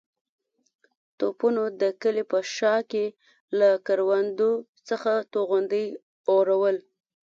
توپونو د کلي په شا کې له کروندو څخه توغندي اورول.